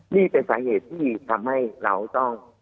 นี่เป็นสาเหตุที่ทำให้เราต้อง